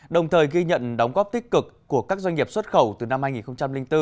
đồng thời ghi nhận đóng góp tích cực của các doanh nghiệp xuất khẩu từ năm hai nghìn bốn